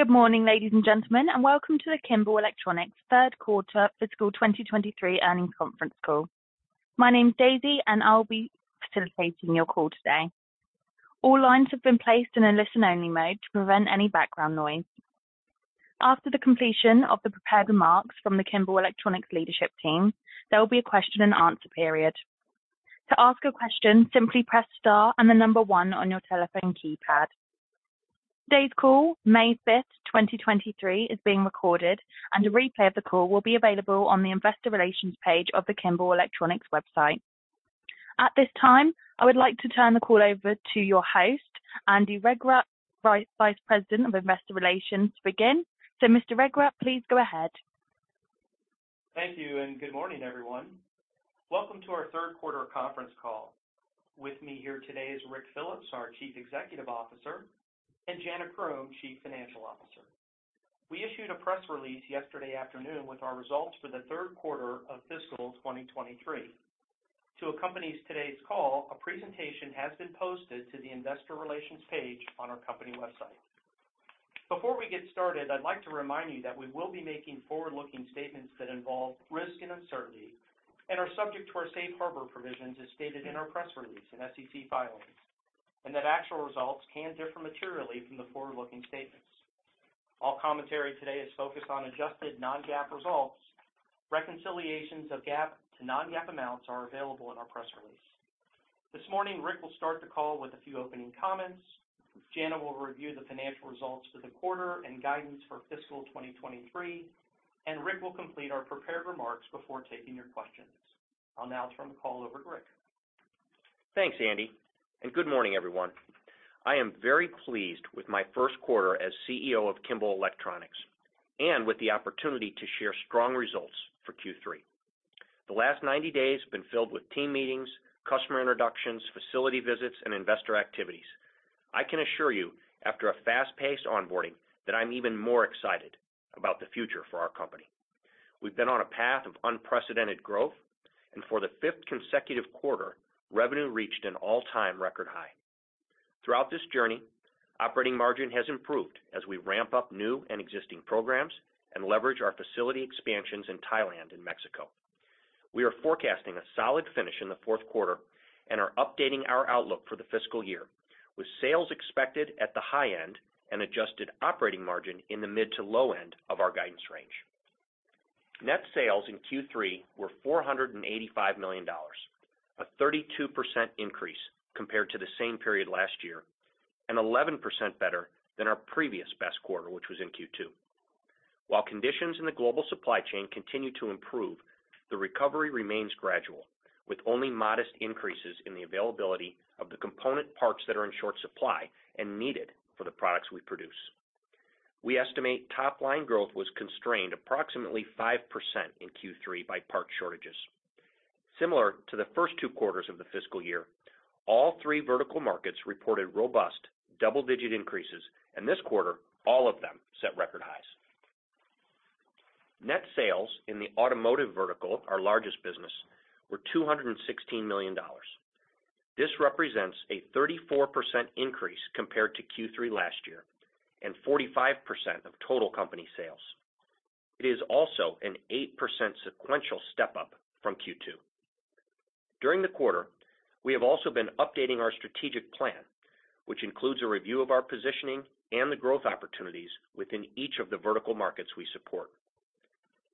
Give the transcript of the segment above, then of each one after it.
Good morning, ladies and gentlemen. Welcome to the Kimball Electronics third quarter fiscal 2023 earnings conference call. My name is Daisy. I'll be facilitating your call today. All lines have been placed in a listen-only mode to prevent any background noise. After the completion of the prepared remarks from the Kimball Electronics leadership team, there will be a question-and-answer period. To ask a question, simply press star and the number one on your telephone keypad. Today's call, May 5th, 2023, is being recorded. A replay of the call will be available on the investor relations page of the Kimball Electronics website. At this time, I would like to turn the call over to your host, Andy Regrut, Vice President of Investor Relations, to begin. Mr. Regrut, please go ahead. Thank you. Good morning, everyone. Welcome to our 3rd quarter conference call. With me here today is Ric Phillips, our Chief Executive Officer, and Jana Croom, Chief Financial Officer. We issued a press release yesterday afternoon with our results for the 3rd quarter of fiscal 2023. To accompany today's call, a presentation has been posted to the investor relations page on our company website. Before we get started, I'd like to remind you that we will be making forward-looking statements that involve risk and uncertainty and are subject to our safe harbor provisions as stated in our press release and SEC filings, and that actual results can differ materially from the forward-looking statements. All commentary today is focused on Adjusted non-GAAP results. Reconciliations of GAAP to non-GAAP amounts are available in our press release. This morning, Ric will start the call with a few opening comments. Jana will review the financial results for the quarter and guidance for fiscal 2023, and Ric will complete our prepared remarks before taking your questions. I'll now turn the call over to Ric. Thanks, Andy. Good morning, everyone. I am very pleased with my first quarter as CEO of Kimball Electronics and with the opportunity to share strong results for Q3. The last 90 days have been filled with team meetings, customer introductions, facility visits, and investor activities. I can assure you, after a fast-paced onboarding, that I'm even more excited about the future for our company. We've been on a path of unprecedented growth. For the fifth consecutive quarter, revenue reached an all-time record high. Throughout this journey, operating margin has improved as we ramp up new and existing programs and leverage our facility expansions in Thailand and Mexico. We are forecasting a solid finish in the fourth quarter and are updating our outlook for the fiscal year, with sales expected at the high end and adjusted operating margin in the mid to low end of our guidance range. Net sales in Q3 were $485 million, a 32% increase compared to the same period last year, and 11% better than our previous best quarter, which was in Q2. While conditions in the global supply chain continue to improve, the recovery remains gradual, with only modest increases in the availability of the component parts that are in short supply and needed for the products we produce. We estimate top-line growth was constrained approximately 5% in Q3 by parts shortages. Similar to the first two quarters of the fiscal year, all three vertical markets reported robust double-digit increases, and this quarter, all of them set record highs. Net sales in the automotive vertical, our largest business, were $216 million. This represents a 34% increase compared to Q3 last year and 45% of total company sales. It is also an 8% sequential step-up from Q2. During the quarter, we have also been updating our strategic plan, which includes a review of our positioning and the growth opportunities within each of the vertical markets we support.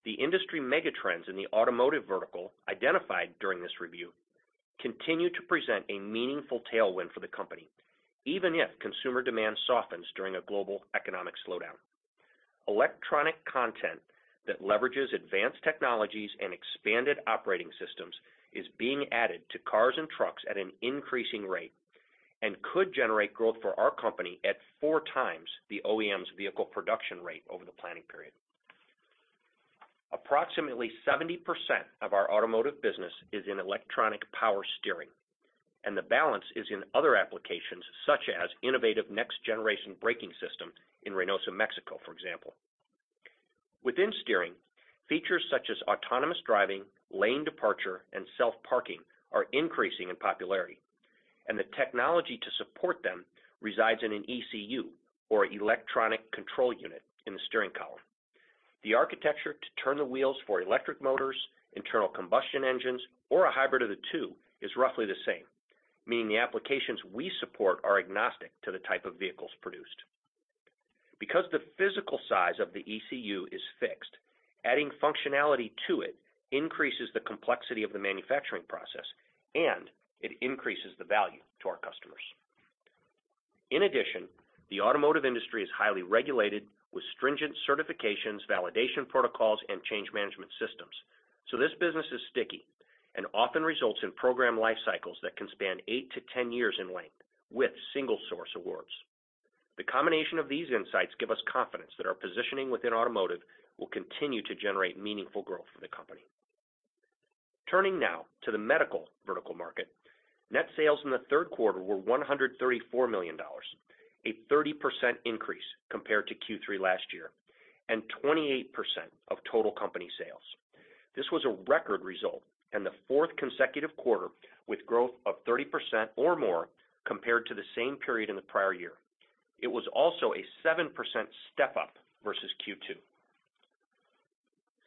The industry mega trends in the automotive vertical identified during this review continue to present a meaningful tailwind for the company, even if consumer demand softens during a global economic slowdown. Electronic content that leverages advanced technologies and expanded operating systems is being added to cars and trucks at an increasing rate and could generate growth for our company at 4x the OEM's vehicle production rate over the planning period. Approximately 70% of our automotive business is in electronic power steering, and the balance is in other applications, such as innovative next-generation braking system in Reynosa, Mexico, for example. Within steering, features such as autonomous driving, lane departure, and self-parking are increasing in popularity, and the technology to support them resides in an ECU, or Electronic Control Unit, in the steering column. The architecture to turn the wheels for electric motors, internal combustion engines, or a hybrid of the two is roughly the same, meaning the applications we support are agnostic to the type of vehicles produced. Because the physical size of the ECU is fixed, adding functionality to it increases the complexity of the manufacturing process, and it increases the value to our customers. In addition, the automotive industry is highly regulated with stringent certifications, validation protocols, and change management systems. This business is sticky and often results in program life cycles that can span 8 to 10 years in length with single source awards. The combination of these insights give us confidence that our positioning within automotive will continue to generate meaningful growth for the company. Turning now to the medical vertical market. Net sales in the third quarter were $134 million, a 30% increase compared to Q3 last year and 28% of total company sales. This was a record result and the fourth consecutive quarter with growth of 30% or more compared to the same period in the prior year. It was also a 7% step up versus Q2.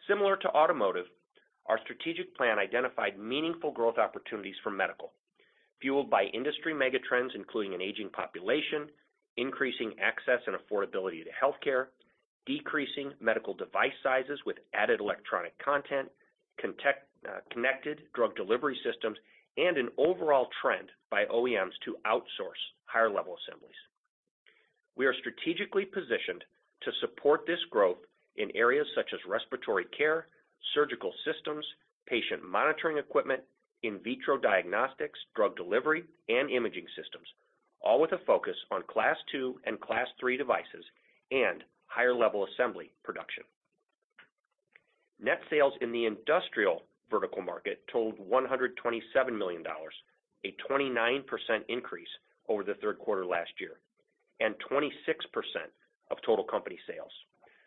Similar to automotive, our strategic plan identified meaningful growth opportunities for medical, fueled by industry megatrends, including an aging population, increasing access and affordability to healthcare, decreasing medical device sizes with added electronic content, connected drug delivery systems, and an overall trend by OEMs to outsource higher level assemblies. We are strategically positioned to support this growth in areas such as respiratory care, surgical systems, patient monitoring equipment, in vitro diagnostics, drug delivery, and imaging systems, all with a focus on Class II and Class III devices and higher level assembly production. Net sales in the industrial vertical market totaled $127 million, a 29% increase over the third quarter last year, and 26% of total company sales.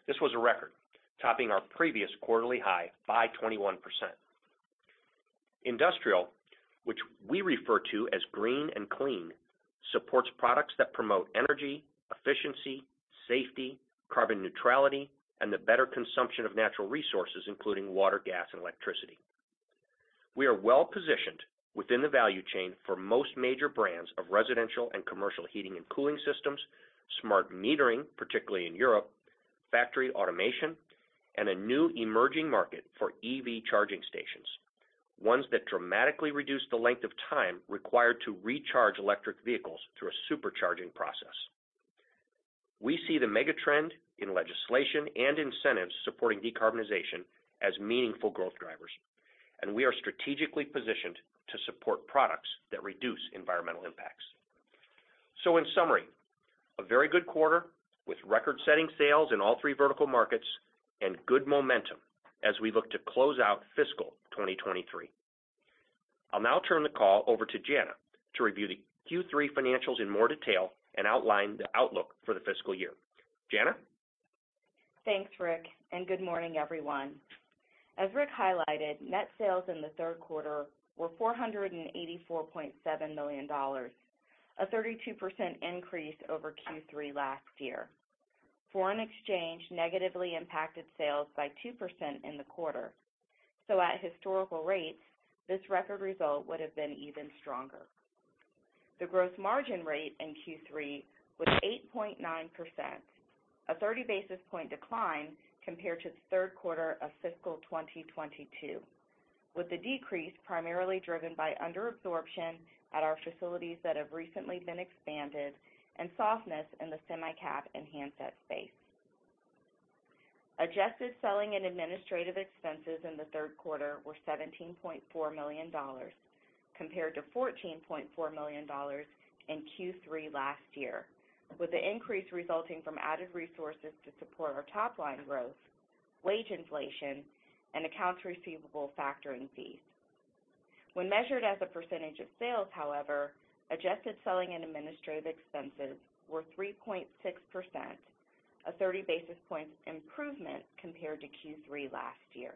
This was a record, topping our previous quarterly high by 21%. Industrial, which we refer to as green and clean, supports products that promote energy, efficiency, safety, carbon neutrality, and the better consumption of natural resources, including water, gas, and electricity. We are well-positioned within the value chain for most major brands of residential and commercial heating and cooling systems, smart metering, particularly in Europe, factory automation, and a new emerging market for EV charging stations, ones that dramatically reduce the length of time required to recharge electric vehicles through a supercharging process. We see the megatrend in legislation and incentives supporting decarbonization as meaningful growth drivers, and we are strategically positioned to support products that reduce environmental impacts. In summary, a very good quarter with record-setting sales in all three vertical markets and good momentum as we look to close out fiscal 2023. I'll now turn the call over to Jana to review the Q3 financials in more detail and outline the outlook for the fiscal year. Jana? Thanks, Ric, good morning, everyone. As Ric highlighted, net sales in the third quarter were $484.7 million, a 32% increase over Q3 last year. Foreign exchange negatively impacted sales by 2% in the quarter. At historical rates, this record result would have been even stronger. The gross margin rate in Q3 was 8.9%, a 30 basis point decline compared to the third quarter of fiscal 2022, with the decrease primarily driven by under absorption at our facilities that have recently been expanded and softness in the semi-cap and handset space. Adjusted selling and administrative expenses in the third quarter were $17.4 million, compared to $14.4 million in Q3 last year, with the increase resulting from added resources to support our top line growth, wage inflation, and accounts receivable factoring fees. When measured as a percentage of sales, however, adjusted selling and administrative expenses were 3.6%, a 30 basis point improvement compared to Q3 last year.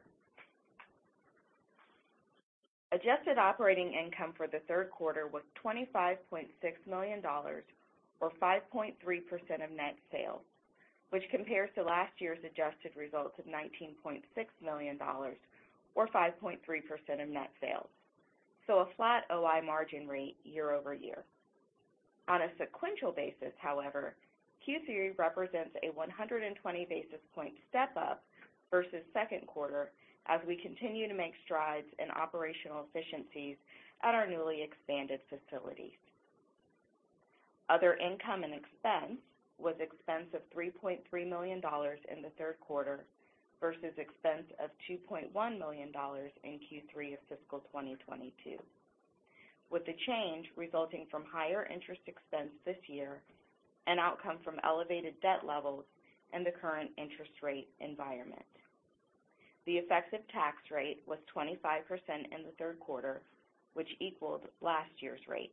Adjusted operating income for the third quarter was $25.6 million or 5.3% of net sales, which compares to last year's adjusted results of $19.6 million or 5.3% of net sales. A flat OI margin rate year-over-year. On a sequential basis, however, Q3 represents a 120 basis point step up versus second quarter as we continue to make strides in operational efficiencies at our newly expanded facilities. Other income and expense was expense of $3.3 million in the third quarter versus expense of $2.1 million in Q3 of fiscal 2022, with the change resulting from higher interest expense this year, an outcome from elevated debt levels, and the current interest rate environment. The effective tax rate was 25% in the third quarter, which equaled last year's rate.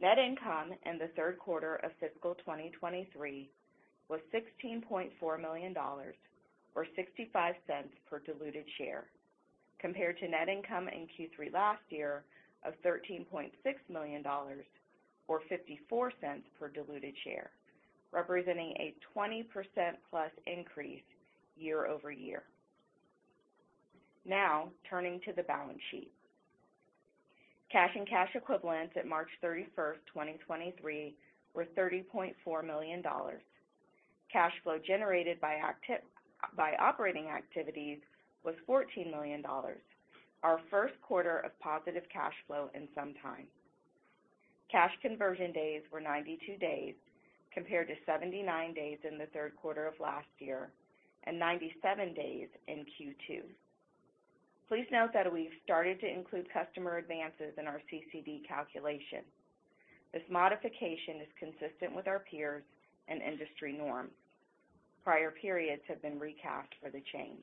Net income in the third quarter of fiscal 2023 was $16.4 million or $0.65 per diluted share, compared to net income in Q3 last year of $13.6 million or $0.54 per diluted share, representing a 20%+ increase year-over-year. Now, turning to the balance sheet. Cash and cash equivalents at March 31st, 2023, were $30.4 million. Cash flow generated by operating activities was $14 million, our first quarter of positive cash flow in some time. Cash conversion days were 92 days, compared to 79 days in the third quarter of last year and 97 days in Q2. Please note that we've started to include customer advances in our CCD calculation. This modification is consistent with our peers and industry norms. Prior periods have been recast for the change.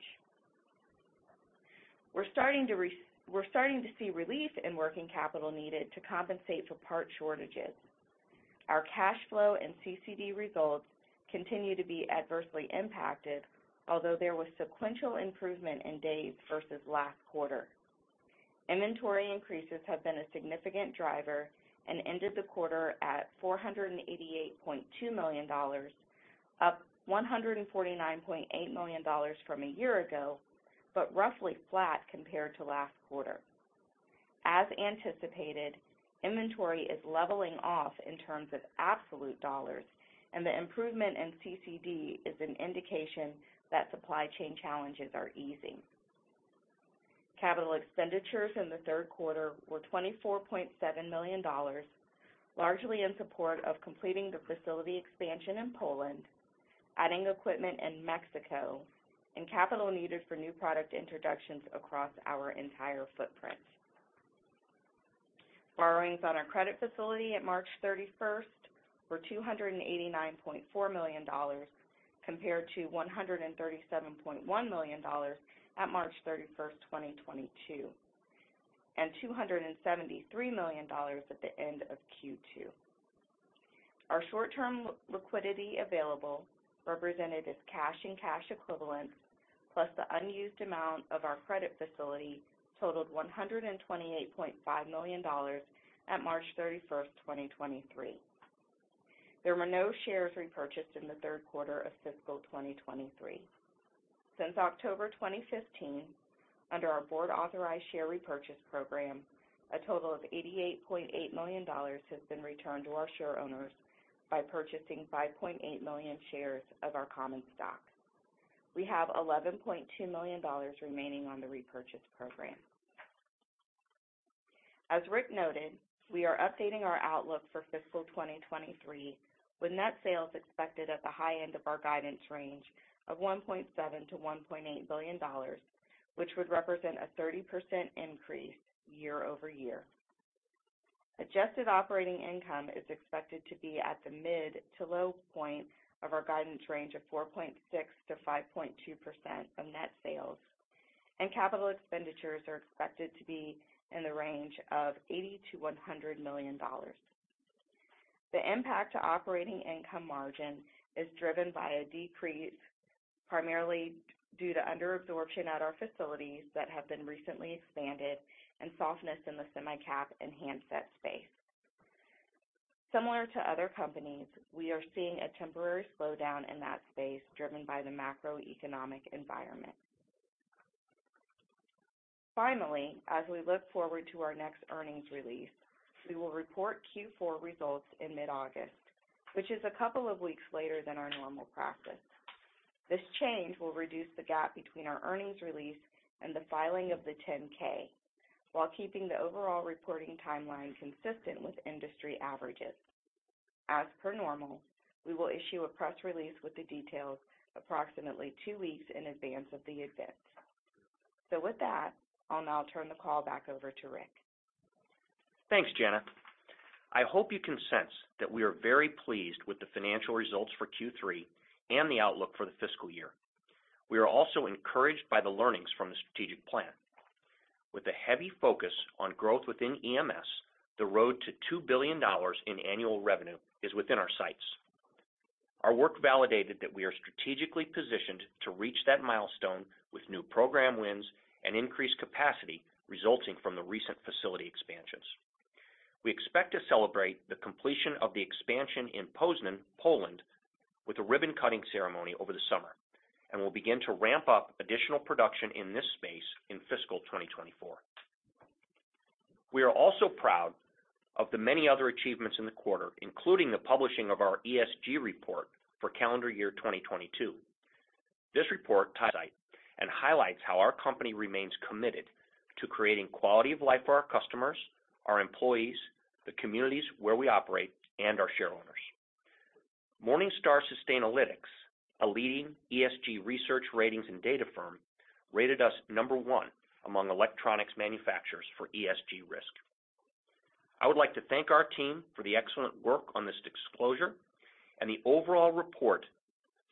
We're starting to see relief in working capital needed to compensate for part shortages. Our cash flow and CCD results continue to be adversely impacted, although there was sequential improvement in days versus last quarter. Inventory increases have been a significant driver and ended the quarter at $488.2 million, up $149.8 million from a year ago, but roughly flat compared to last quarter. As anticipated, inventory is leveling off in terms of absolute dollars, and the improvement in CCD is an indication that supply chain challenges are easing. Capital expenditures in the third quarter were $24.7 million, largely in support of completing the facility expansion in Poland, adding equipment in Mexico, and capital needed for new product introductions across our entire footprint. Borrowings on our credit facility at March 31st were $289.4 million, compared to $137.1 million at March 31st, 2022, and $273 million at the end of Q2. Our short-term liquidity available, represented as cash and cash equivalents, plus the unused amount of our credit facility totaled $128.5 million at March 31, 2023. There were no shares repurchased in the third quarter of fiscal 2023. Since October 2015, under our board authorized share repurchase program, a total of $88.8 million has been returned to our shareowners by purchasing 5.8 million shares of our common stock. We have $11.2 million remaining on the repurchase program. As Ric noted, we are updating our outlook for fiscal 2023, with net sales expected at the high end of our guidance range of $1.7 billion-$1.8 billion, which would represent a 30% increase year-over-year. Adjusted operating income is expected to be at the mid to low point of our guidance range of 4.6%-5.2% of net sales. Capital expenditures are expected to be in the range of $80 million-$100 million. The impact to operating income margin is driven by a decrease, primarily due to under absorption at our facilities that have been recently expanded and softness in the semi-cap and handset space. Similar to other companies, we are seeing a temporary slowdown in that space, driven by the macroeconomic environment. As we look forward to our next earnings release, we will report Q4 results in mid-August, which is a couple of weeks later than our normal practice. This change will reduce the gap between our earnings release and the filing of the 10-K, while keeping the overall reporting timeline consistent with industry averages. As per normal, we will issue a press release with the details approximately two weeks in advance of the event. With that, I'll now turn the call back over to Ric. Thanks, Jana. I hope you can sense that we are very pleased with the financial results for Q3 and the outlook for the fiscal year. We are also encouraged by the learnings from the strategic plan. With a heavy focus on growth within EMS, the road to $2 billion in annual revenue is within our sights. Our work validated that we are strategically positioned to reach that milestone with new program wins and increased capacity resulting from the recent facility expansions. We expect to celebrate the completion of the expansion in Poznań, Poland with a ribbon-cutting ceremony over the summer, and we'll begin to ramp up additional production in this space in fiscal 2024. We are also proud of the many other achievements in the quarter, including the publishing of our ESG report for calendar year 2022. This report ties site and highlights how our company remains committed to creating quality of life for our customers, our employees, the communities where we operate, and our shareholders. Morningstar Sustainalytics, a leading ESG research ratings and data firm, rated us number one among electronics manufacturers for ESG risk. I would like to thank our team for the excellent work on this disclosure and the overall report,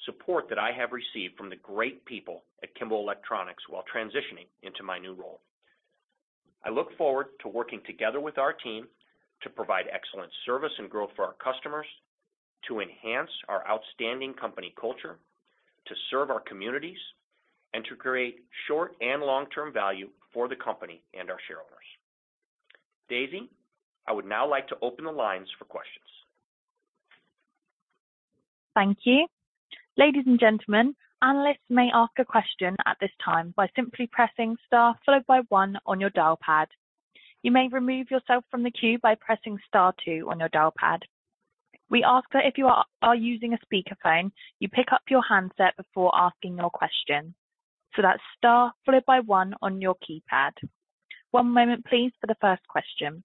support that I have received from the great people at Kimball Electronics while transitioning into my new role. I look forward to working together with our team to provide excellent service and growth for our customers, to enhance our outstanding company culture, to serve our communities, and to create short and long-term value for the company and our shareholders. Daisy, I would now like to open the lines for questions. Thank you. Ladies and gentlemen, analysts may ask a question at this time by simply pressing star followed by one on your dial pad. You may remove yourself from the queue by pressing star two on your dial pad. We ask that if you are using a speakerphone, you pick up your handset before asking your question. That's star followed by one on your keypad. 1 moment please for the first question.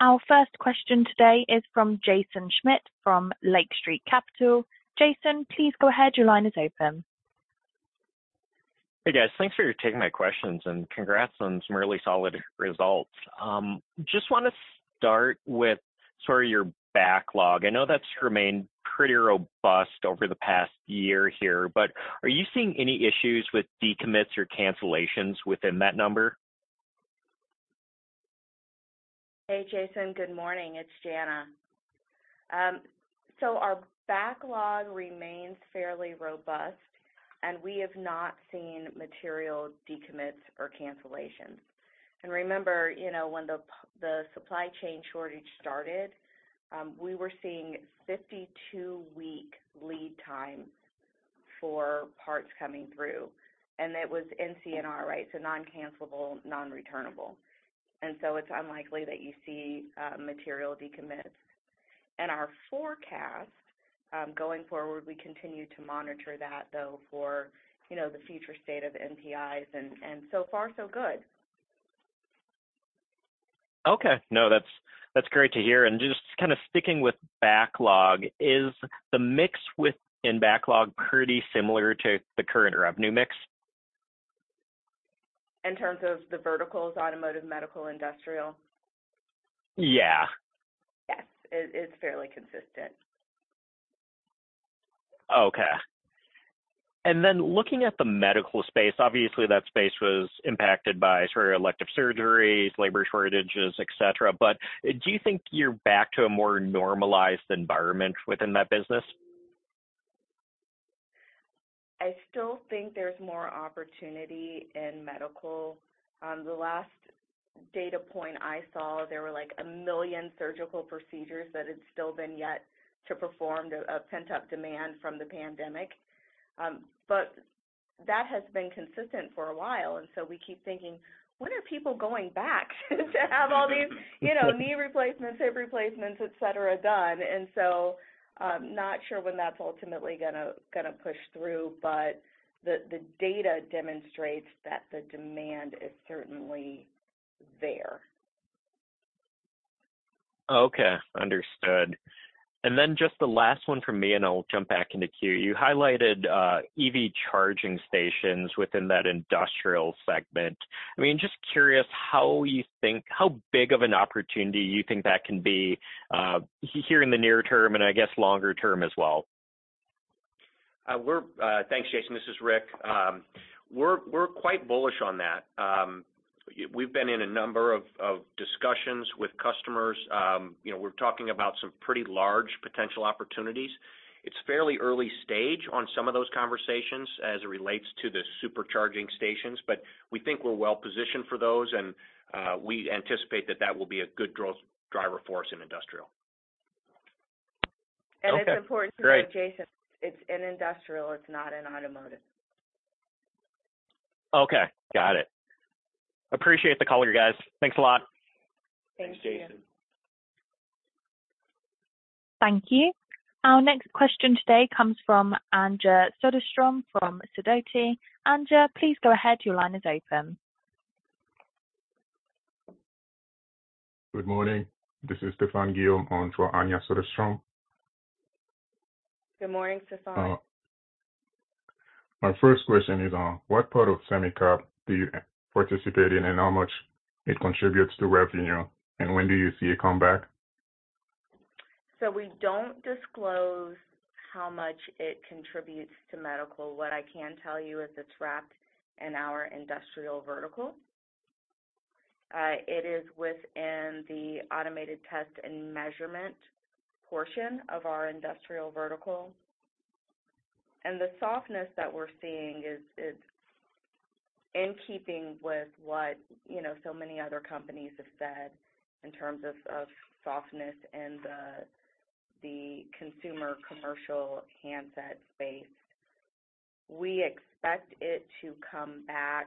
Our first question today is from Jaeson Schmidt from Lake Street Capital. Jaeson, please go ahead. Your line is open. Hey guys, thanks for taking my questions. Congrats on some really solid results. Just want to start with sort of your backlog. I know that's remained pretty robust over the past year here. Are you seeing any issues with decommits or cancellations within that number? Hey, Jaeson. Good morning. It's Jana. Our backlog remains fairly robust. We have not seen material decommits or cancellations. Remember, you know, when the supply chain shortage started, we were seeing 52 week lead time for parts coming through, and it was NCNR, right, non-cancellable, non-returnable. It's unlikely that you see material decommits. Our forecast going forward, we continue to monitor that though for, you know, the future state of NPIs and so far so good. Okay. No, that's great to hear. Just kind of sticking with backlog, is the mix within backlog pretty similar to the current revenue mix? In terms of the verticals, automotive, medical, industrial? Yeah. Yes. It, it's fairly consistent. Okay. Looking at the medical space, obviously that space was impacted by sort of elective surgeries, labor shortages, et cetera, but do you think you're back to a more normalized environment within that business? I still think there's more opportunity in medical. The last data point I saw, there were like 1 million surgical procedures that had still been yet to perform, the pent-up demand from the pandemic. That has been consistent for a while, we keep thinking, "When are people going back to have all these, you know, knee replacements, hip replacements, et cetera, done?" Not sure when that's ultimately gonna push through, but the data demonstrates that the demand is certainly there. Okay. Understood. Just the last one from me, and I'll jump back into queue. You highlighted EV charging stations within that industrial segment. I mean, just curious how big of an opportunity you think that can be in the near term and I guess longer term as well? Thanks, Jaeson. This is Ric. We're quite bullish on that. We've been in a number of discussions with customers. You know, we're talking about some pretty large potential opportunities. It's fairly early stage on some of those conversations as it relates to the supercharging stations. We think we're well-positioned for those and, we anticipate that that will be a good growth driver for us in industrial. it's important to note, Jason. Okay. Great... it's in industrial, it's not in automotive. Okay. Got it. Appreciate the color, guys. Thanks a lot. Thank you. Thanks, Jaeson. Thank you. Our next question today comes from Anja Soderstrom from Sidoti. Anja, please go ahead, your line is open. Good morning. This is Stephane Guillaume on for Anja Soderstrom. Good morning, Stephane. My first question is on what part of semi-cap do you participate in and how much it contributes to revenue, and when do you see a comeback? We don't disclose how much it contributes to medical. What I can tell you is it's wrapped in our industrial vertical. It is within the automated test and measurement portion of our industrial vertical. The softness that we're seeing is in keeping with what, you know, so many other companies have said in terms of softness in the consumer commercial handset space. We expect it to come back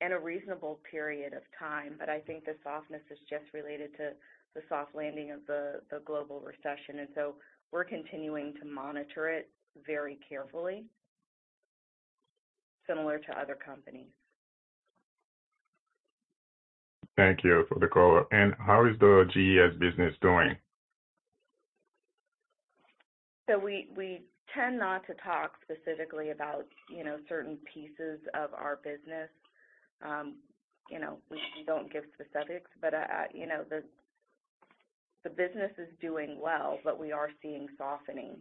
in a reasonable period of time, but I think the softness is just related to the soft landing of the global recession. We're continuing to monitor it very carefully, similar to other companies. Thank you for the color. How is the GES business doing? We tend not to talk specifically about, you know, certain pieces of our business. You know, we don't give specifics, but, you know, the business is doing well, but we are seeing softening.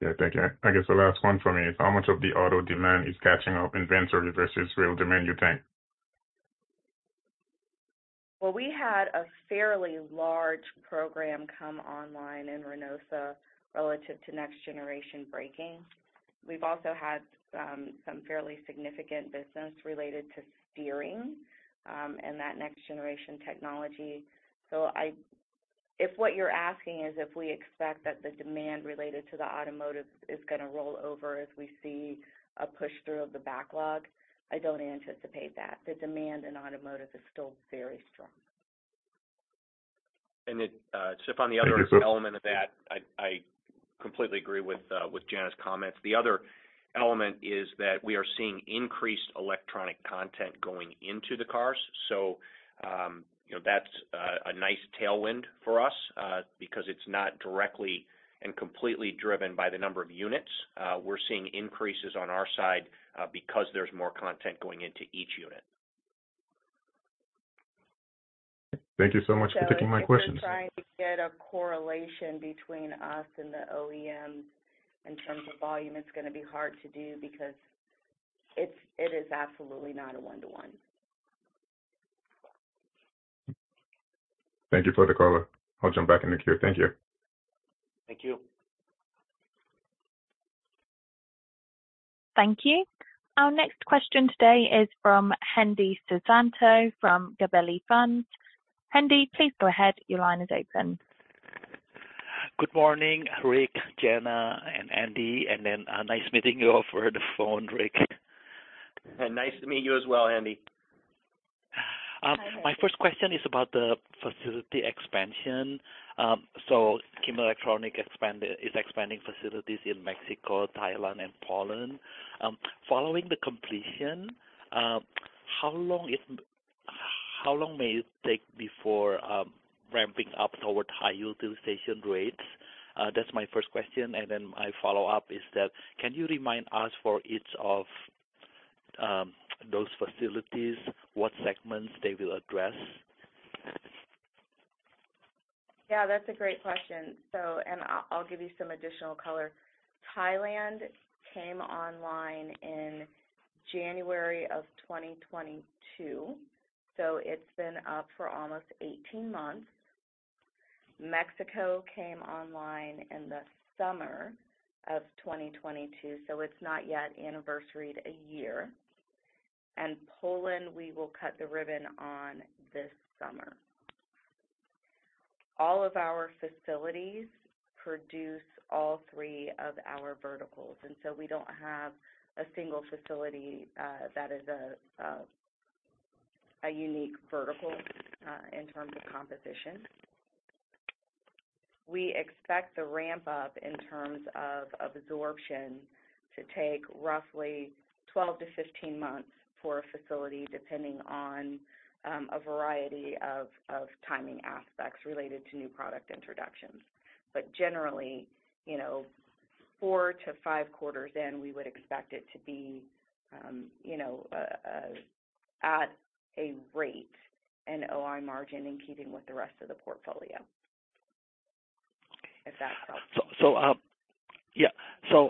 Yeah. Thank you. I guess the last one for me is how much of the auto demand is catching up inventory versus real demand, you think? We had a fairly large program come online in Reynosa relative to next generation braking. We've also had some fairly significant business related to steering and that next generation technology. If what you're asking is if we expect that the demand related to the automotive is gonna roll over as we see a push through of the backlog, I don't anticipate that. The demand in automotive is still very strong. It, Stephane, the other element of that. Thank you, sir. I completely agree with Jana's comments. The other element is that we are seeing increased electronic content going into the cars. You know, that's a nice tailwind for us because it's not directly and completely driven by the number of units. We're seeing increases on our side because there's more content going into each unit. Thank you so much for taking my questions. If you're trying to get a correlation between us and the OEMs in terms of volume, it's gonna be hard to do because it is absolutely not a one-to-one. Thank you for the color. I'll jump back in the queue. Thank you. Thank you. Thank you. Our next question today is from Hendi Susanto from Gabelli Funds. Hendi, please go ahead. Your line is open. Good morning, Ric, Jana, and Andy, and then, nice meeting you over the phone, Ric. Nice to meet you as well, Hendi. Hi, Hendi. My first question is about the facility expansion. Kimball Electronics is expanding facilities in Mexico, Thailand, and Poland. Following the completion, how long may it take before ramping up toward high utilization rates? That's my first question, then my follow-up is that, can you remind us for each of those facilities, what segments they will address? Yeah, that's a great question. I'll give you some additional color. Thailand came online in January of 2022, so it's been up for almost 18 months. Mexico came online in the summer of 2022, so it's not yet anniversaried a year. Poland, we will cut the ribbon on this summer. All of our facilities produce all three of our verticals, we don't have a single facility that is a unique vertical in terms of composition. We expect the ramp-up in terms of absorption to take roughly 12 to 15 months for a facility, depending on a variety of timing aspects related to new product introductions. Generally, you know, four to five quarters in, we would expect it to be, you know, at a rate and OI margin in keeping with the rest of the portfolio. Okay. If that helps. Yeah.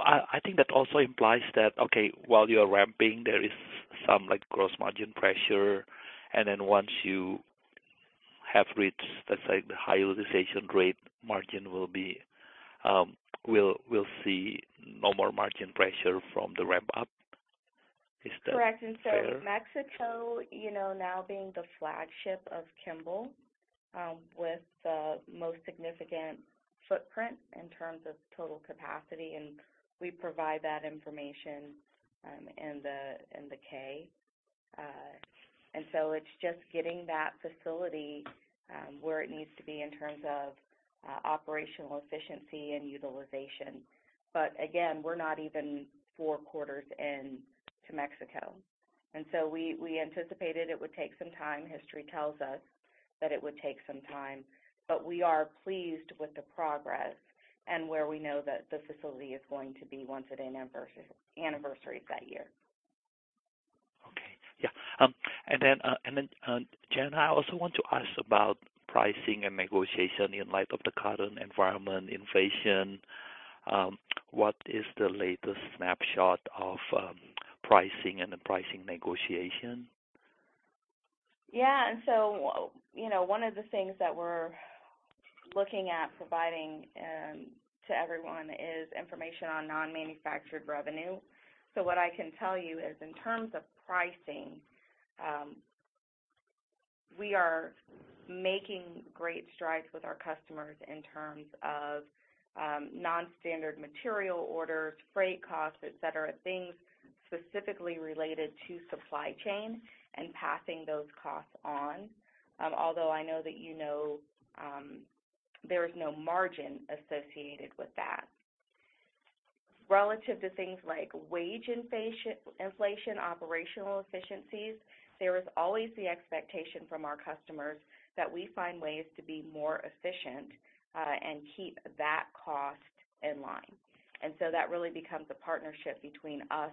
I think that also implies that, okay, while you're ramping, there is some, like, gross margin pressure, and then once you have reached, let's say, the high utilization rate, margin will be... We'll see no more margin pressure from the ramp-up. Is that fair? Correct. Mexico, you know, now being the flagship of Kimball, with the most significant footprint in terms of total capacity, and we provide that information in the K. It's just getting that facility where it needs to be in terms of operational efficiency and utilization. Again, we're not even four quarters in to Mexico. We anticipated it would take some time. History tells us that it would take some time, but we are pleased with the progress and where we know that the facility is going to be once it anniversaries that year. Okay. Yeah. Jana, I also want to ask about pricing and negotiation in light of the current environment inflation. What is the latest snapshot of pricing and the pricing negotiation? Yeah. You know, one of the things that we're looking at providing to everyone is information on non-manufactured revenue. What I can tell you is in terms of pricing, we are making great strides with our customers in terms of non-standard material orders, freight costs, et cetera, things specifically related to supply chain and passing those costs on. Although I know that you know, there is no margin associated with that. Relative to things like wage inflation, operational efficiencies, there is always the expectation from our customers that we find ways to be more efficient and keep that cost in line. That really becomes a partnership between us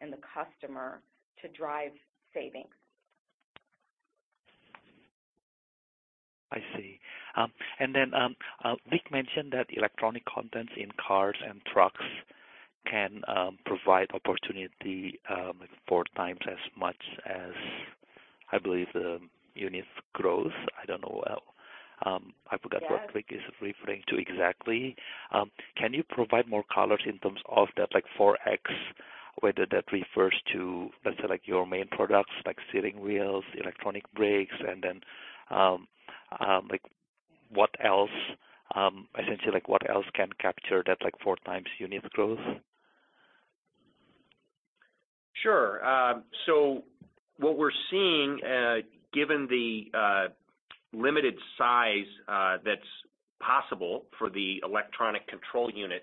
and the customer to drive savings. I see. Ric mentioned that electronic contents in cars and trucks can provide opportunity four times as much as, I believe, the units growth. I don't know. I forgot what Ric is referring to exactly. Can you provide more colors in terms of that, like 4x, whether that refers to, let's say like your main products, like steering wheels, electronic brakes, and then like what else, essentially like what else can capture that, like four times units growth? Sure. What we're seeing, given the limited size that's possible for the Electronic Control Unit.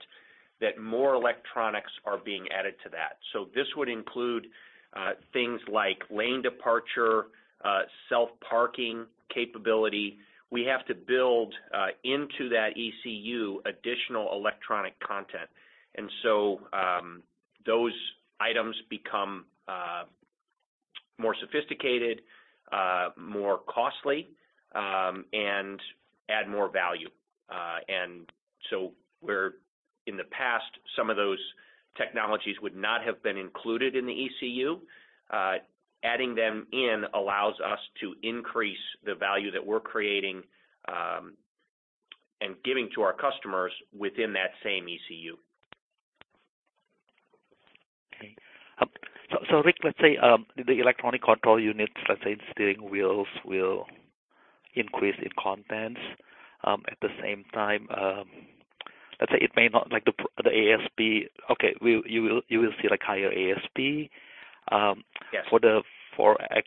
More electronics are being added to that. This would include things like lane departure, self-parking capability. We have to build into that ECU additional electronic content. Those items become more sophisticated, more costly, and add more value. Where in the past some of those technologies would not have been included in the ECU, adding them in allows us to increase the value that we're creating and giving to our customers within that same ECU. Okay. Ric, let's say, the Electronic Control Unit, let's say steering wheels will increase in contents, at the same time, let's say it may not like the the ASP. Okay, you will see like higher ASP. Yes. For the 4x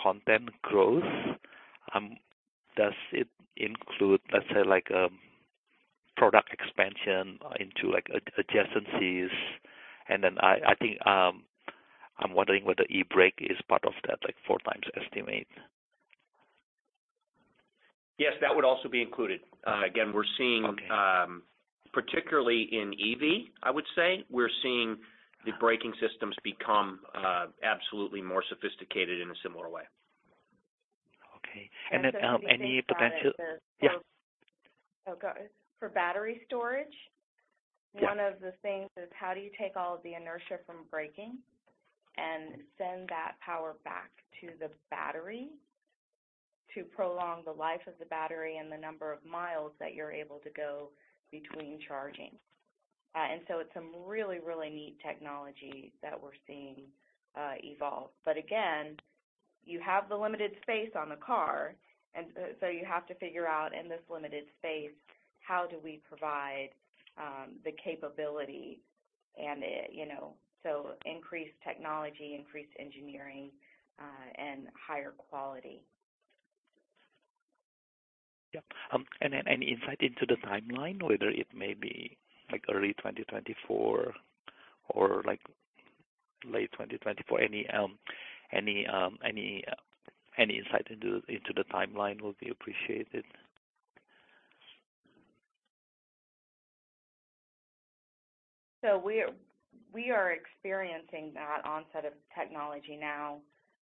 content growth, does it include, let's say like, product expansion into like ad-adjacencies and then I think, I'm wondering whether e-brake is part of that, like 4x estimate? Yes, that would also be included. Okay. Particularly in EV, I would say, we're seeing the braking systems become absolutely more sophisticated in a similar way. Okay. Any potential? for EV products Yeah. Oh, go ahead. For battery storage- Yeah. One of the things is how do you take all of the inertia from braking and send that power back to the battery to prolong the life of the battery and the number of miles that you're able to go between charging. It's some really, really neat technology that we're seeing evolve. Again, you have the limited space on the car, and so you have to figure out in this limited space, how do we provide the capability and, you know. Increased technology, increased engineering, and higher quality. Yeah. Any insight into the timeline whether it may be like early 2024 or like late 2024? Any insight into the timeline will be appreciated. We are experiencing that onset of technology now,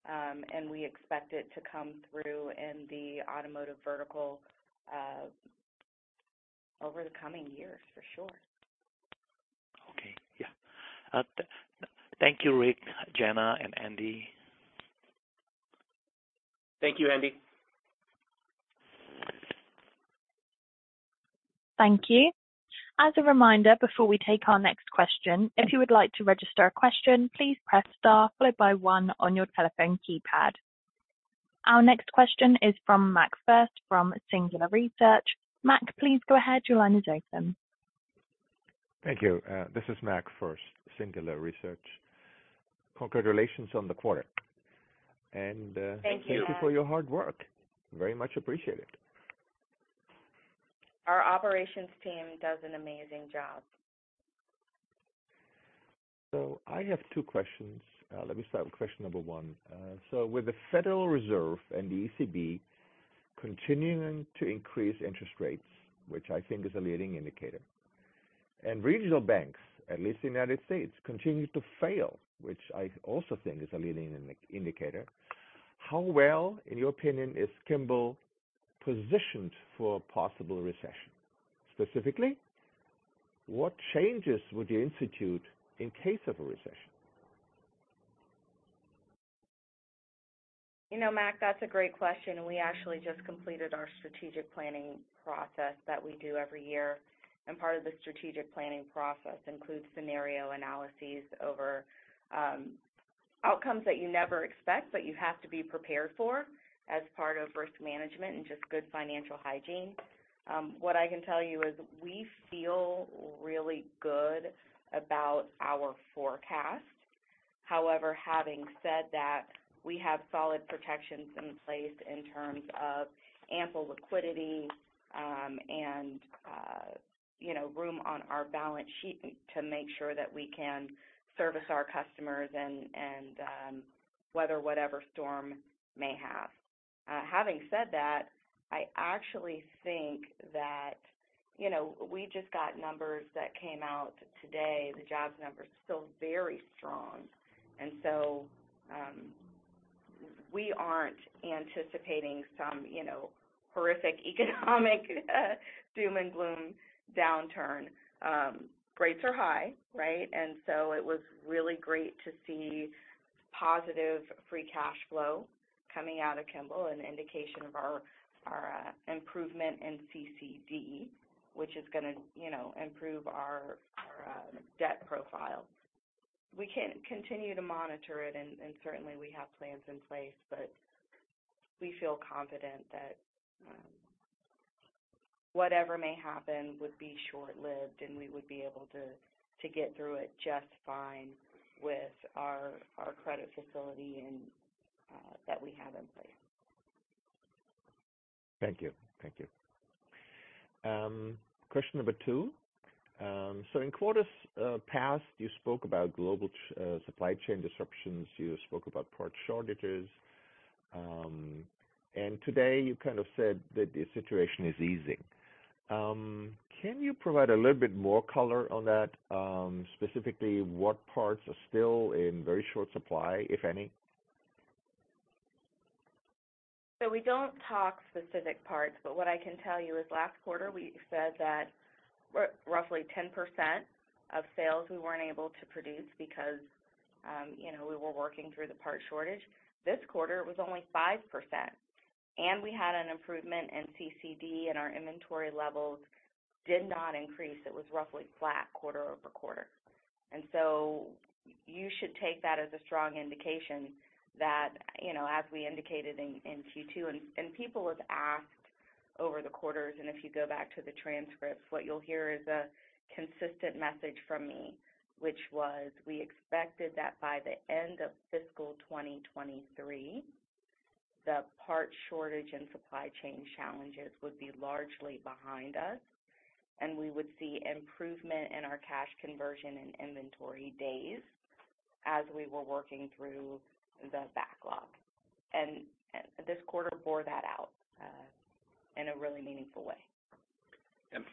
and we expect it to come through in the automotive vertical, over the coming years for sure. Okay. Yeah. thank you, Ric, Jana, and Andy. Thank you, Andy. Thank you. As a reminder, before we take our next question, if you would like to register a question, please press star followed by one on your telephone keypad. Our next question is from Mac Furst, from Singular Research. Mac, please go ahead. Your line is open. Thank you. This is Mac Furst, Singular Research. Congratulations on the quarter. Thank you. Thank you for your hard work. Very much appreciated. Our operations team does an amazing job. I have two questions. Let me start with question number one. With the Federal Reserve and the ECB continuing to increase interest rates, which I think is a leading indicator, and regional banks, at least in the United States, continue to fail, which I also think is a leading indicator, how well, in your opinion, is Kimball positioned for a possible recession? Specifically, what changes would you institute in case of a recession? You know, Mac, that's a great question. We actually just completed our strategic planning process that we do every year. Part of the strategic planning process includes scenario analyses over outcomes that you never expect, but you have to be prepared for as part of risk management and just good financial hygiene. What I can tell you is we feel really good about our forecast. However, having said that, we have solid protections in place in terms of ample liquidity and, you know, room on our balance sheet to make sure that we can service our customers and weather whatever storm may have. Having said that, I actually think that, you know, we just got numbers that came out today, the jobs numbers are still very strong. we aren't anticipating some, you know, horrific economic doom and gloom downturn. Rates are high, right? it was really great to see positive free cash flow coming out of Kimball and an indication of our improvement in CCD, which is gonna, you know, improve our debt profile. We can continue to monitor it and certainly we have plans in place, but we feel confident that whatever may happen would be short-lived, and we would be able to get through it just fine with our credit facility and that we have in place. Thank you. Thank you. Question number two. In quarters past you spoke about global supply chain disruptions, you spoke about part shortages. Today you kind of said that the situation is easing. Can you provide a little bit more color on that? Specifically, what parts are still in very short supply, if any? We don't talk specific parts, but what I can tell you is last quarter we said that roughly 10% of sales we weren't able to produce because, you know, we were working through the part shortage. This quarter, it was only 5%, and we had an improvement in CCD, and our inventory levels did not increase. It was roughly flat quarter-over-quarter. You should take that as a strong indication that, you know, as we indicated in Q2. People have asked over the quarters, and if you go back to the transcripts, what you'll hear is a consistent message from me, which was we expected that by the end of fiscal 2023, the part shortage and supply chain challenges would be largely behind us and we would see improvement in our cash conversion and inventory days as we were working through the backlog. This quarter bore that out in a really meaningful way.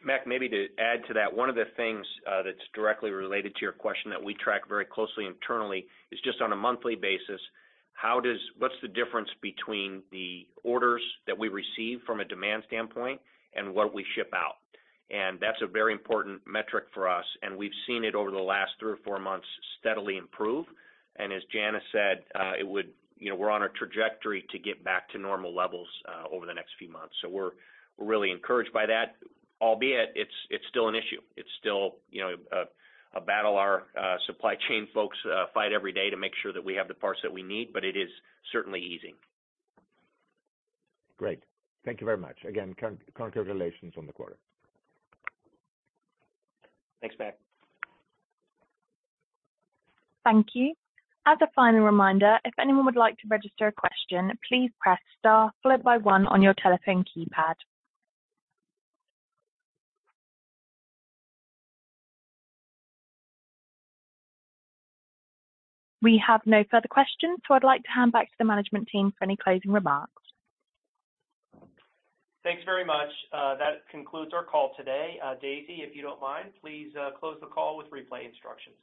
Mac, maybe to add to that, one of the things that's directly related to your question that we track very closely internally is just on a monthly basis, what's the difference between the orders that we receive from a demand standpoint and what we ship out? That's a very important metric for us, and we've seen it over the last three or four months steadily improve. As Jana said, you know, we're on a trajectory to get back to normal levels over the next few months. We're really encouraged by that, albeit it's still an issue. It's still, you know, a battle our supply chain folks fight every day to make sure that we have the parts that we need, but it is certainly easing. Great. Thank you very much. Again, congratulations on the quarter. Thanks, Mac. Thank you. As a final reminder, if anyone would like to register a question, please press star followed by one on your telephone keypad. We have no further questions. I'd like to hand back to the management team for any closing remarks. Thanks very much. That concludes our call today. Daisy, if you don't mind, please, close the call with replay instructions.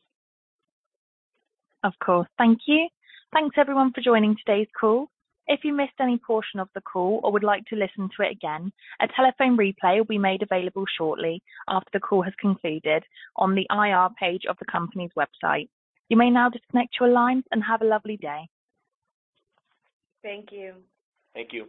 Of course. Thank you. Thanks, everyone, for joining today's call. If you missed any portion of the call or would like to listen to it again, a telephone replay will be made available shortly after the call has concluded on the IR page of the company's website. You may now disconnect your lines and have a lovely day. Thank you. Thank you.